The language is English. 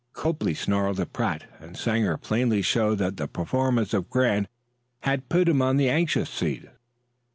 Copley snarled at Pratt, and Sanger plainly showed that the performance of Grant had put him on the anxious seat.